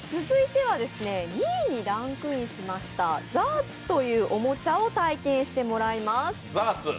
続いては２位にランクインしましたザーツというおもちゃを体験してもらいます。